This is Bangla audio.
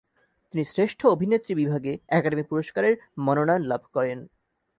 তিনি শ্রেষ্ঠ অভিনেত্রী বিভাগে একাডেমি পুরস্কারের মনোনয়ন লাভ করেন।